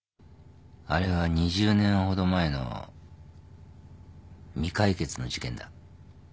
あれは２０年ほど前の未解決の事件だ。